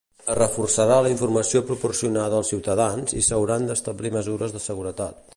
Es reforçarà la informació proporcionada als ciutadans i s'hauran d'establir mesures de seguretat.